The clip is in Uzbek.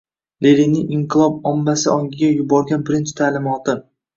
Leninning «inqilob ommasi» ongiga yuborgan birinchi ta'limoti